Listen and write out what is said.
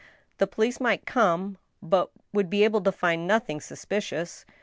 The police might come, but would be able to find nothing sus picious.